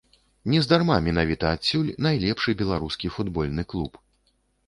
Нездарма менавіта адсюль найлепшы беларускі футбольны клуб.